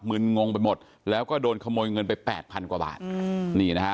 ึนงงไปหมดแล้วก็โดนขโมยเงินไปแปดพันกว่าบาทอืมนี่นะฮะ